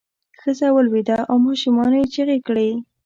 ښځه ولویده او ماشومانو یې چغې کړې.